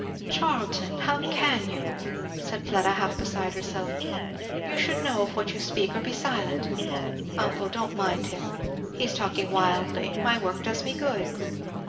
"Charlton! how can you! " said Fleda, half beside herself, you should know of what you speak or be silent! Uncle, don't mind him! he is talking wildly my work does me good."